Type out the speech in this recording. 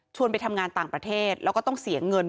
ไปทำงานต่างประเทศแล้วก็ต้องเสียเงิน